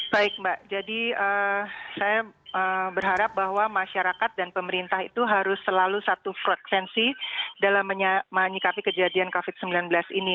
baik mbak jadi saya berharap bahwa masyarakat dan pemerintah itu harus selalu satu frekuensi dalam menyikapi kejadian covid sembilan belas ini